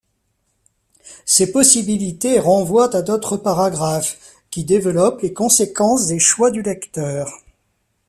Ces possibilités renvoient à d'autres paragraphes, qui développent les conséquences des choix du lecteur.